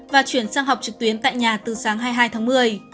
và chuyển sang học trực tuyến tại nhà từ sáng hai mươi hai tháng một mươi